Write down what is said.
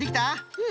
うん。